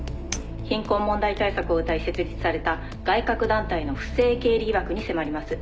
「貧困問題対策をうたい設立された外郭団体の不正経理疑惑に迫ります」